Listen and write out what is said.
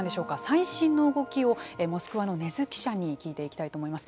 最新の動きをモスクワの禰津記者に聞いていきたいと思います。